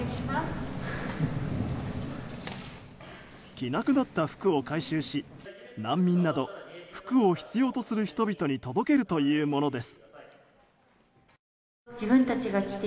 着なくなった服を回収し難民など服を必要とする人々に届けるというものです。